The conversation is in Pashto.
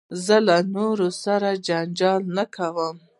زه له نورو سره جنجال نه کوم.